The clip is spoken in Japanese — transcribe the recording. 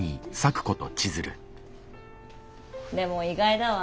でも意外だわ。